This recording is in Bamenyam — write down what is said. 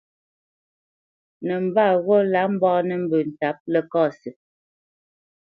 Nəmbat ghó lǎ mbánə́ mbə́ ntǎp Ləkasi.